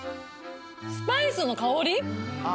スパイスの香り？